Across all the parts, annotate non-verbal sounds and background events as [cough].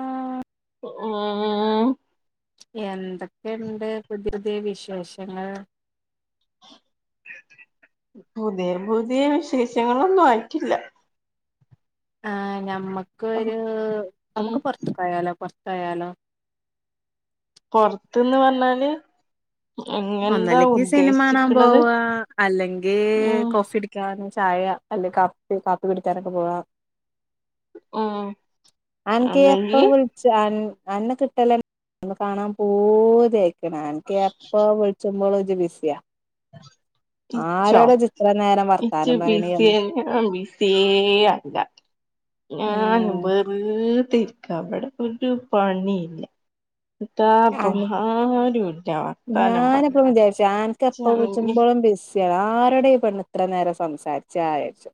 ആഹ് ഒ ആഹ് ആഹ് ആഹ് എന്തെക്കേണ്ട് പുത്യെ പുത്യേ വിശേഷങ്ങൾ പുത്യെ പുത്യേ വിശേഷങ്ങളൊന്നും ആയിറ്റ്ല്ല. ആഹ് ഞമ്മക്കൊരു ഉം ഞമ്മക്ക് പൊർത്ത്ക്കോയാലോ പൊർത്തോയാലോ പൊർത്ത്ന്ന് പർഞ്ഞാല് ഒന്നല്ലക്കി ഉദ്ദേശിക്കണത് സിനിമാണാംപോവാ അല്ലെങ്കീ ഉം കോഫിടി ക്കാനും ചായ അല്ലെ കാപ്പി കാപ്പി കുടിക്കാനൊക്കെ പോവാ. ഉം അൻക്ക് എപ്പൊ ഒന്നെങ്കി വുൾ ച്ച് അൻ അന്നെ കിട്ടലെ ഒന്ന് കാണാൻ പൂതിഅയ്ക്ക്ണ് അനക്ക് എ വിൾച്ചുമ്പളും ഇജ്ജ് ബിസ്യാ ഇച്ചോ ഇത്ര നേരം ഇച്ച് വർത്താനം ബി പറയണേ എന്ന് സിയെ ഞാൻ ബി സിയേ അല്ല. ഞാന് ഉം ബെർതെഇര്ക്കാബടെ ഒരു പണി ഇല്ല. അൻ എത്താപ്പം ആര് വിളിച്ചാ വർത്താനം പർഞ്ഞ്കാൻ ച്ചാ അൻക്ക് എപ്പ വിൾച്ചുമ്പളും ബിസ്സ്യാ ആരൊടാ ഈ പെണ്ണ് ഇത്ര നേരം സംസാരിച്ചാ വിചാരിച്ചും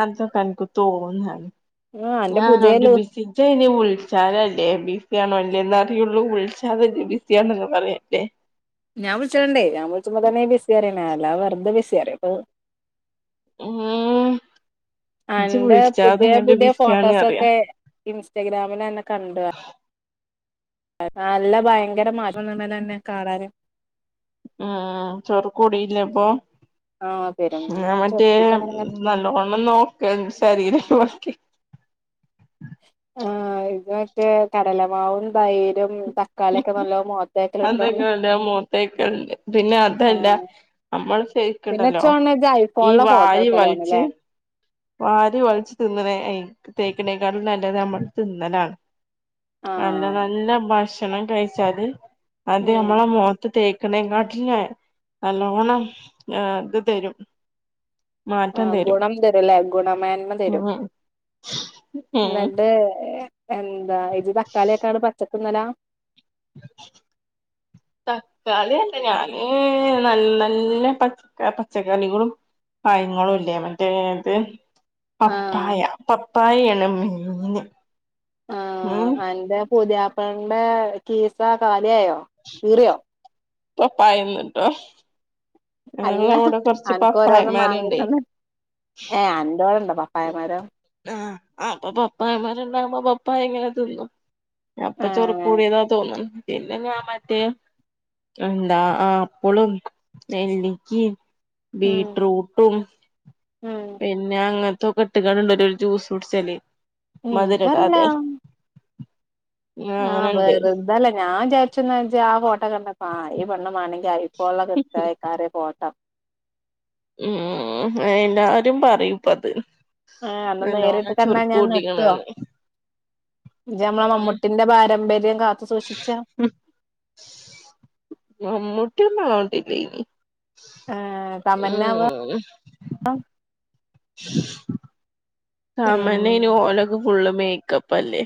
അതൊക്കെ അൻക്ക് തോന്നാണ് ആഹ് അന്റെ ഞാന് പുതിയ ഒര് ലൂ ബിസി സി ഇജ്ജ് അയ്ന് വുൾച്ചാലല്ലേ ബിസ്സി ആണോ അല്ലേന്ന് അറിയുള്ളൂ വിൾച്ചാതല്ലെ ബിസിയാണ്ന്ന് പറയല്ലേ. ഞാൻ വുൾച്ചല്ണ്ടെയ് ഞാൻ വുൾച്ചുമ്പത്തന്നേണ് ബിസി പറീണെഹ് അല്ലാതെ വെർതെ ബിസ്സി പറയൊപ്പൊ ഏഹ്. അന്റെ പുത്യേ പുത്യെ ബിസിയാണ് അറിയാ ഫോട്ടോസൊക്കെ ഇൻസ്റ്റഗ്രാമില് അന്നെ കണ്ടു നല്ല ഭയങ്കര മാറ്റം [unintelligible] ണ്ടല്ലൊ അന്നെ കാണാന് ഉം ആഹ് ചൊറ്ക്ക് കൂടിയില്ലേ ഇപ്പോ ആഹ് പെരും ഞാൻ മറ്റേ ചൊർപ്പിച്ചങ്ങനെങ്ങനെ നല്ലവോണം ഒന്ന് നോക്കായ്രുന്നു ശരീരം നോക്കി ആഹ് ഇത് മറ്റേ കടലമാവും, തൈരും തക്കാളിയൊക്കെ നല്ലൊം മോ അന്തെങ്കിലും നല്ലോം മോത്തേക്ക്ണ്ട് പിന്നെ അതല്ല ആഹ് നമ്മള് പിന്നെ ശെരിക്ക്ണ്ടല്ലോ ഇച്ചോണ് ഇജ്ജ് ഈ ഐഫോണിലെ ഫോട്ടോ എടുക്കലോണ് വാരിവൽച്ച് ല്ലേ വാരി വൾച്ച് തിന്ന്ണേ അയ് തേക്ക്ണേക്കാട്ട്ലും നല്ലത് നമ്മള് തിന്ന്ണാണ് നല്ല ആഹ് നല്ല ഭക്ഷണം കഴിച്ചാല് അത് ഉം നമ്മളെ മോ ത്ത് തേക്ക്ണേകാട്ടിലെഹ് നല്ലോണം എഹ് ഇത് തെരും. ആഹ് ഗുണം തരുംല്ലേ ഗുണമേന്മ തെരും ഉം ഉം ന്നട്ട് എ എന്താ ഇത് തക്കാളിയൊക്കാണ്ട് പച്ചക്ക്ന്നലാ തക്കാളി അല്ല ഞാന് നല്ല് നല്ലെ പച്ച ക്കെ പച്ചക്കറികളും പഴങ്ങളുംല്ലേ മറ്റേ ത് ആഹ് പപ്പായാ പപ്പായേണ് മെയ്ന് ഏഹ് അന്റെ പുത്യാപ്പൾന്റെ കീസ കാലിയായോ കീറിയോ പപ്പായന്ന്ട്ടോ അല്ല അൻക്ക് ഓരോന്നും വാങ്ങി പപ്പായമാരുണ്ടേ തന്ന് ഏഹ് അന്റൊടണ്ടോ. ആഹ് ആഹ് അപ്പോ പപ്പായ മരണ്ടാവുമ്പോ പപ്പായ ഇങ്ങനെ ത് ന്നും. അപ്പോ ഏഹ് ചോറുകൂടിയതാ തോന്നും. പിന്നെ ഞാം മറ്റേ എന്താ ആപ്പ്ളും നെല്ലിക്കിം. ഉം ബീറ്റ്റൂട്ടും ഉം പിന്നെ അങ്ങൻ തോക്കേട്ട്ങ്ങാണ്ട്ണ്ടൊരു ജൂസുട്ച്ചല്. ഇൻക്കറീലാ. ആഹ് അങ്ങനെണ്ട് വെറ്തല്ല ഞാം വിചാരിച്ചു ന്നാ ഇജ്ജ് ആ ഫോട്ടോ കണ്ടപ്പോ ആഹ് ഈ പെണ്ണ് മാനങ്കി അയ് പൊള്ള കൃത്തയ്ക്കാരേ പോട്ടം. ഉം എല്ലാരും പറയുംപ്പത്. ഏഹ് അന്നേ നേരിട്ട് കണ്ടാ ഞാൻ നെട്ടുവൊ. കൂട്ടിക്ക്ണ്ന്ന് ഇജ്ജ് മ്മളെ മമ്മുട്ടിന്റെ പാരമ്പര്യം കാത്തു സൂക്ഷിച്ച്ആ. ഉം മമ്മുട്ടി ഒന്നും ആവണ്ടീന്നി ഏഹ് തമന്നാവാ ഉം. ഉം സാമന്നെയ്ന് ഓലൊക്കെ ഫുള്ള് മേക്കപ്പ അല്ലേ.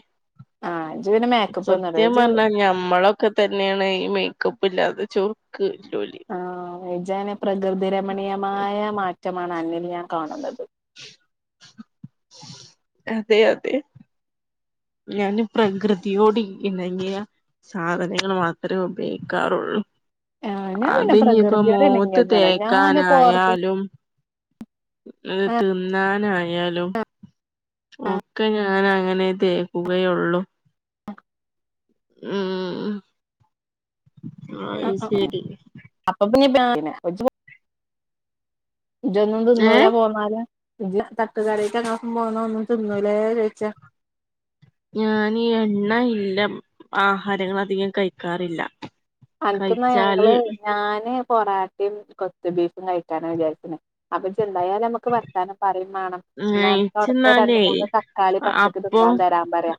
ആഹ് ഇജ്ജ് പിന്നെ മേക്കപ്പൊന്നും ഇട സത്യം ഇജ്ജ് പർഞ്ഞാ ഞമ്മളൊക്കെ തന്നേണ് ഈ മേക്കപ്പ് ഇല്ലാതെ ചെറ്ക്ക്ള്ളോല്. ആഹ് ഇജ്ജയ്ന് പ്രകൃതി രമണീയമായ മാറ്റമാണ് അന്നിൽ ഞാൻ കാണുന്നത്. [inaudible] അതെ അതെ. ഞാന് പ്രകൃതിയോട് ഇണങ്ങിയ സാധനങ്ങള് മാത്രെ ഉപയോയ് ക്കാറൊള്ളൂ. ആഹ് ഞാൻ പിന്നെ അത്ഞ്ഞിപ്പോ പ്രകൃതിയോട് മോത്ത് ഇണങ്ങിയതാണ് ഞാന് പോർത്ത് തേക്കാനായാലും അത് ത് ന്നാനായാലും. ഒക്കെ ഞാനങ്ങനെ തേക്കുകയൊള്ളൂ. ഉം അഅ്‌ ആഹ് ആഹ് ശെരി. അപ്പൊ പിന്നെ [unintelligible] ഇജോന്നും ത് ഏ ന്നൂലാ പോന്നാല് ഇജ്ജ് തട്ടുകടേക്ക് ഞങ്ങളപ്പം പോന്നാ ഒന്നും ത് ന്നൂലെ ചോയ്ച്ച്ആ. ഞാനീ എണ്ണ ഇല്ല ആഹാരങ്ങൾ അധികം കയ്ക്കാറില്ല. അൻക്ന്നാ ഞങ്ങള് ഞാന് പൊറാട്ടിം കൊത്ത്ബീഫും കഴിക്കാനാ വിചാരിക്ക്ണ് അപ്പ ഇജ്ജ്ണ്ടായാല് അമ്മക്ക് വർത്താനം പറയും വാണം. ന്നാ അൻക് അവ്ട്തെ രണ്ട് ഇച്ച്ന്നാലേ മൂന്ന് തക്കാളി പച്ചക്ക് ത് അപ്പം ന്നാൻ തരാം പറയാ.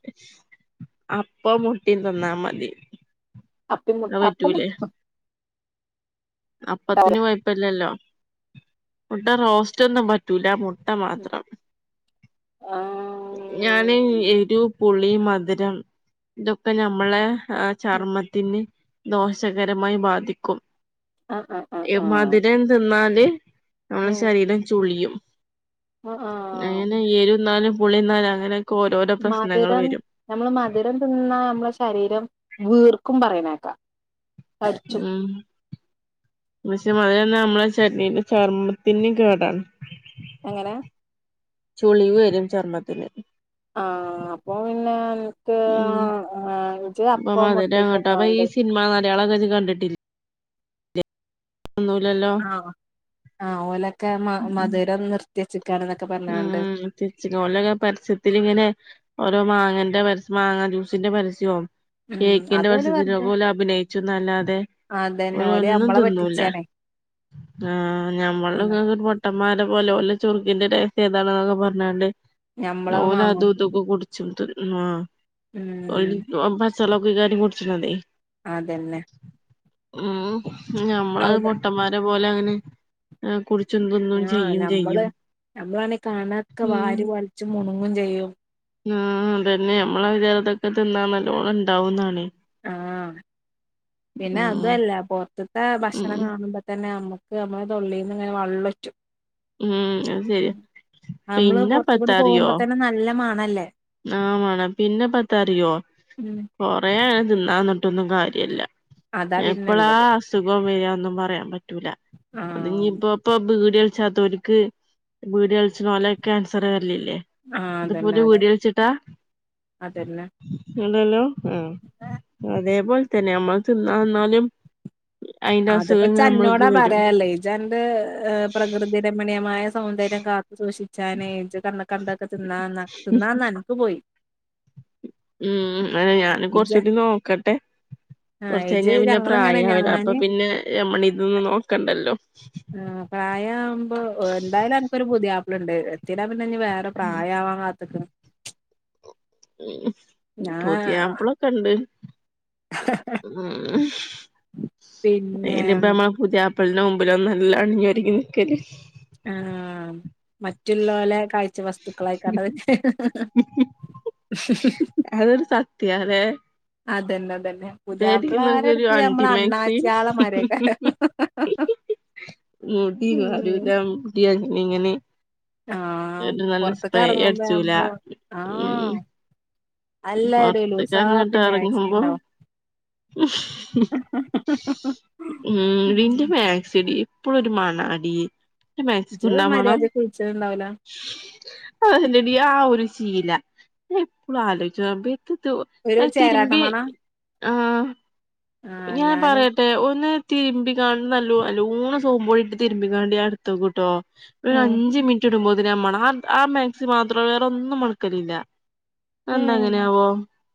അപ്പം മുട്ടിം ത് ന്നാമതി. അപ്പിം മു അപ്പം മു അ അപ്പത്തിന് കൊയ്പല്ല്യല്ലോ മുട്ടറോസ്റ്റോന്നും പ റ്റൂല മുട്ട ഉം മാത്രം. ആഹ് ഞാന് എരൂ പുളി മധ് രം ഇതൊക്കെ ഞമ്മളെ ആഹ് ചർമ്മത്തിന് ദോഷകരമായി ബാധിക്കും. ആഹ് അ. മതിരം ത് ന്നാല് ഞമ്മളെ ഉം ശരീരം ചുളിയും. ആഹ് ആഹ് അങ്ങനെ എരുന്നാലും പുളിന്നാലും അങ്ങനെ മത് രം ഞമ്മള് മത് രം ത് ന്നാ അമ്മള ശരീരം വ്ർക്കും പറണേക്ക. ഉം. പക്ഷെ മത് രന്നാ മ്മളെ ശരീര ചർമ്മത്തിന് കേടാണ്. എങ്ങനെ? ചുളിവ് രും ചർമ്മത്തിന്. ആഹ് അപ്പൊ പിന്നാ ഉം [unintelligible] മുട്ടിം അപ്പം ഈ തിന്നോണ്ടി. സിനിമാ നടിയാളെക്കെജ് കണ്ടിട്ടില്ലേ? ഒന്നുല്ലല്ലോ ആഹ് ആഹ് ഓലക്കെ മ ഉം മാധുരം നിർത്തിയെച്ച്ക്കാണ്ന്നൊക്കെ പറഞ്ഞാണ്ട് [unintelligible] ഓലക്കെ പരസ്യത്തില്ങ്ങനെ. ഓരോ മാങ്ങന്റെ പരസ്യ മാങ്ങാ ജ്യൂസിന്റെ പരസ്യോം ഉം കേക്കിന്റെ അതോല് പരസ്യത്തിലും വെറുതെ ഒക്കെ ഓലഭിനയ്ച്ചുന്നല്ലാതെ അതന്നെ ഓല് ഓലൊന്നും നമ്മളെ തിന്നൂലാ പറ്റിച്ചാണേ ആഹ് ഉം ഞമ്മളൊക്കെ [unintelligible] ട്ടമ്മാരെപോലെ ഒലെ ചുർക്കിന്റെ രഹസ്യം ഇതാണ്ന്നൊക്കെ പർഞ്ഞാണ്ട് ഞമ്മളത് മാങ്ങും ഓലതു തൊക്കെ കുടിച്ചിട്ട് ആഹ് ഉം ഓല് പച്ചള്ളക്കെകാരം കുട്ച്ചിണതേ. അതന്നെ. ഉം ഞമ്മളത് അവിടെ പൊട്ടൻ മാരെ പോലെ അങ്ങനെ ആഹ് കുടിച്ചും തിന്നോം ചെയ്യും ചെയ്യും. ഞമ്മളാണെ കാണക്കെ ഉം വാരിവലിച്ച് മുണുങ്ങും ചെയ്യും. ആഹ് അതന്നെ നമ്മളെ വിചാരം അതൊക്കെ തിന്നാ നല്ലോണം ഇണ്ടാവുന്നാണേ. ആഹ് പിന്നെ അതു ഉം അല്ലാ പൊർത്ത്ത്തെ ഉം ഭക്ഷണം കാണുമ്പോ തന്നെ നമ്മക് നമ്മളെ തൊള്ളീന്ന് ഇങ്ങനെ വള്ളൊറ്റും. ഉം ആന്നെ നമ്മള് പൊർത്ത്കൂടെ പോവുമ്പത്തന്നെ നല്ല മണല്ലേ. ആഹ് മണാ പിന്നപ്പെന്താറിയോ ഉം കൊറേത് തിന്നാന്ന്ട്ടൊന്നും കാര്യല്ലാ. അതാ എപ്പളാ പിന്നെള്ളത് അസുഖം വെര്യാന്നൊന്നും പറയാൻ പറ്റൂലാ. അത് ആഹ് ഇന്നീപ്പോ ഇപ്പൊ ബീഡി വൽച്ചാതോല്ക്ക് ബീഡി വൽച്ചണോലെ ക്യേൻസറ് വെര്ണില്ലേ? ആഹ് അതന്നെ അതെ അതന്നെ. ഇണ്ടല്ലോ ആഹ് അതേപോലെ തന്നെയാ നമ്മള് തിന്നാന്നാലും അയിന്റെ അത്പ്പച്ച് അസുഖങ്ങൾ നമ്മൾക്ക് അന്നോടാ വരും പറയാള്ളെ ഇജ്ജന്ത് പ്രകൃതി രമണീയമായ സൗന്ദര്യം കാത്ത് സൂക്ഷിച്ചാന് ഇജക്കന്ന് കണ്ടതൊക്കെ തിന്നാന്നാ തിന്നാന്നാ ക് പോയി. ഉം അയ്ന് ഞാൻ ഇജ കൊർചൂടി നോക്കട്ടെ. ആ ഇജ് കൊർച്ചയ്ഞ്ഞാ പിന്നെ ഞങ്ങളിങ്ങനെ പ്രായാവൂലെ അപ്പ ഞാന് പിന്നെ നമ്മളിതൊന്നും നോക്കണ്ടല്ലോ. ആഹ് പ്രയാവുമ്പോ എന്തായാലും അനക്കൊരു പുത്യാപ്പളെണ്ട്. എന്തിനാപ്പെഞ്ഞ് പിന്നെ പ്രായാവാൻ കാത്ത്ക്ക്ണ്. ഉം ഞാൻ പുത്യാപ്പളെക്കെണ്ട്. ഉം പിന്നെ [unintelligible] പുതിയാപ്പൾന്റെ മുമ്പിലൊന്നും അല്ലാ അണിഞ്ഞൊരുങ്ങി നിക്കല് ആഹ് മറ്റ്ള്ളോലെ കാഴ്ച്ചവസ്തു ക്കളായിക്കാണ്ട് വെച്ച് അതൊരു സത്യാല്ലേ അതന്നെ അതന്നെ ഒരു പുതിയാപ്പിളാരെടുത്ത് നമ്മള് അണ്ടിമാക്സിം അണ്ണാച്ചിയാളെമാരിയെക്കെ മുടിം വാരൂലാ മുടിം അഴിഞ്ഞിങ്ങനെ ആഹ് ഒരു നല്ല പൊറത്ത്ക്ക് സ്പ്രേ എറങ്ങുമ്പോ അടിച്ചൂലാ നമ്മള് ഉം ആഹ് എല്ലാടേലും ഉസാപ്പി പൊറത്ത്ക്കങ്ങട്ട് മാക്സി എറങ്ങുമ്പം ഇണ്ടാവും ഉം വിൻ്റെ മാക്സിയെടി എപ്പെഴും ഒരു മണാടി ഇൻ്റെ ഇജ് മാക്സിക്ക്ണ്ടോ ആ മണം മര്യാദക്ക് വിളിച്ചല്ണ്ടാവൂല അതെല്ലെടി ആ ഒരു ശീലാ ഞാ എപ്പളും ആലോയിച്ചും റബ്ബേ ഒരു [unintelligible] ചേരാട്ട തിരുമ്പി മണ ആഹ ആഹ് ഞാൻ ഞാന് പറയാ ഒന്ന് തിരുമ്പിക്ക കാ നല്ലോ നല്ലൂണ് സോപ്പ്പൊടിട്ട് തിരുമ്പിക്കാണ്ട് ഞാൻ എടുത്തു വെക്കും കേട്ടോ ഒരു ഉം അഞ്ചു മിനിറ്റ് ഇടുമ്പോ ആമണം ആ മാക്സി മാത്രം വേറെന്നും മണക്കലില്ല അത് എന്താ ഉം അങ്ങനെയാവോ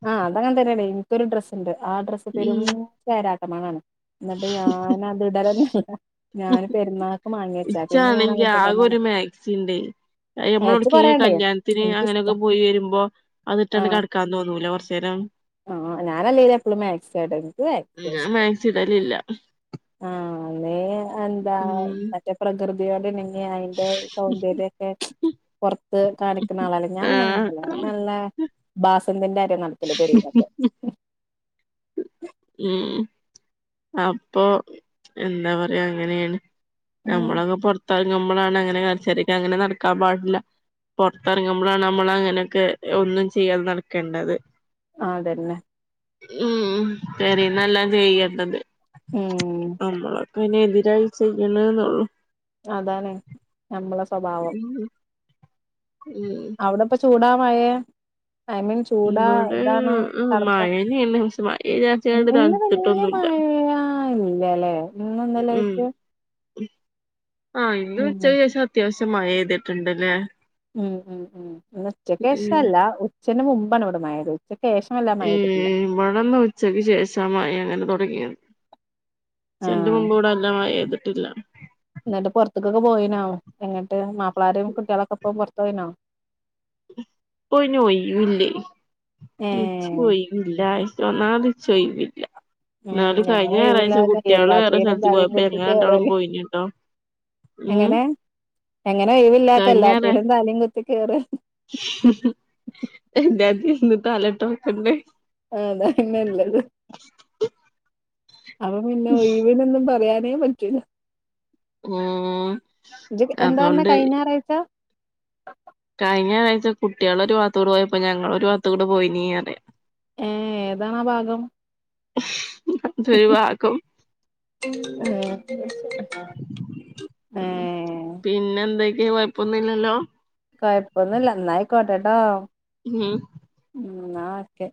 ആഹ് അത അങ്ങന തന്നെയാണ് ഇനിക്കരു ഡ്രസ്സ്ണ്ട് ആ ഡ്രസ്സ് ഉം ഭയങ്കരാട്ട് മണാണ് എന്നിട്ട് ഞാൻ അത് ഇടലന്നയില്ല ഇച്ചാണെങ്കി ആകെ ഞാനങ്ങട്ടിടന്നല്ല ഒരു മാക്സിണ്ടേ ഏച്ച് നമ്മളവിടക്ക കൊറേണ്ടേ കല്യാണത്തിന് എനിക്കിഷ്ടാ അങ്ങനെയൊക്കെ പോയി വരുമ്പോ അതിട്ടാണ് ആഹ് കടക്കാന്ന് തോന്നൂലെ കുറച്ച നേരം ആഹ് ഞാനല്ലേലും എപ്പളും മാക്സിയ ഇടല് എനിക്ക് വയ്യ ഞാൻ മാക്സിഡൽ ഇല്ല ആഹ ന്നെ എന്താ ഉം പ്രകൃതിയോട് ഇണങ്ങി അയിന്റെ സൗന്ദര്യൊക്കെ പുറത്ത് കാണിക്കുന്ന ആളല്ല ഞാൻ പിന്നെങ്ങനെ ആഹ് ന അതാണ് നല്ല ബാസന്തിൻറെ ആര് നടത്തില്ല പെരയുന്നക്കെ ഉ [unintelligible] ഉം അപ്പൊ എന്താ പറയാ അങ്ങനെയാണ് ഉം നമ്മളക്കെ പുറത്തറങ്ങുമ്പോൾ നമ്മളാണ് അങ്ങനെ [unintelligible] അങ്ങനെ നടക്കാൻ പാടില്ല പുറത്തിറങ്ങുമ്പോഴാണ് നമ്മൾ അങ്ങനെയൊക്കെ ഒന്നും ചെയ്യാതെ നടക്കേണ്ടത് ആതന്നെ ഉം പെരീന്ന എല്ലാം ചെയ്യണ്ടത് ഉം നമ്മളൊക്കെ അയിന് എതിരായി ചെയ്യണ എന്നള്ളു അതാണ് നമ്മള സ്വഭാവം ഉം ഉം അവിടെപ്പ ചൂടാ മഴയ ഐ മീൻ ചൂടാ ഇവിടെ ഇതാണോ തണുപ്പ മഴന്നെയാണ് പക്ഷെ മഴ വിചാരിച്ചാണ്ട് എ വലിയ തണുത്തിട്ടൊന്നുല്ല മഴയാ ഇല്ലല്ലേ ഇന്നും ഇന്നലെയൊക്കെ ആഹ ഇന്ന് ഉച്ചക്ക്‌ ശേഷം അത്യാവശ്യം മഴപെയ്തിട്ടുണ്ടല്ലേ ഉം ഉ ഉ ഉച്ചക്ക് ശേഷല്ല ഉച്ചന്റെ മുമ്പാണ് ഇവിടെ മഴ പെയ്തു ഉചക്കു ശേഷം വല്ലാ മഴ പെയ്തിട്ടില്ല ഉം ഇവിടെന്ന് ഉച്ചക്ക് ശേഷ മഴ അങ്ങനെ തുടങ്ങിയത് ഉച്ചക്ക് ആഹ് മുമ്പ് ഇവിടെ നല്ല മഴ പെയ്തിട്ടില്ല എന്നിട്ട് പുറത്തേക്കൊക്കെ പോയിനോ എങ്ങിട്ട് മാപ്പിളാര കുട്ടികളൊക്കെ ഇപ്പ പുറത്തു പോയിനോ [unintelligible] ഇല്ല ഏ ഒന്നാമത് ഇച് ഒഴിവില്ല ഉം എന്നാല് എങ്ങനെ കഴിഞ്ഞ ഞായറാഴ്ച ഒഴിവില്ലാതെ കുട്ടികള് വേറെ എല്ലാത്തിനും സ്ഥലത്ത് തലയും പോയപ്പ കുത്തി ഞങ്ങൾ രണ്ടാളും കേറല് പോയിനു കേട്ടോ എങ്ങനെ എങ്ങനെ ഒഴിവില്ലാക്ക എല്ലാത്തലും തലേം കുത്തി കയറ എല്ലാത്തിലും ഒന്ന് തലേട്ടോക്കണ്ട ആതാ ഇന്നുള്ളത് അപ പിന്നെ ഒഴിവിനൊന്നും പറയാനേ പറ്റൂല ഉം ജ്ജ് എന്താ പറഞ്ഞെ അതോണ്ട് കഴിഞ്ഞ ഞായറാഴ്ച കഴിഞ്ഞ ഞയറാഴ്ച കുട്ടേൾ ഒരു ഭഗത്തൂട് പോയപ്പോ ഞങ്ങളും ഒരു ഭാഗത്കൂടെ പോയി നീ പറയ ഏതാണാ ഭാഗം അതൊരു ഭാഗം ഏ പിന്നെ എന്തൊക്കെ കുഴപ്പൊന്നുല്ലല്ലോ കൊഴപ്പൊന്നുല്ല എന്നായിക്കോട്ടെട്ടോ ഉം, ആഹ് ഉം, ന്നാ ഓക്കെ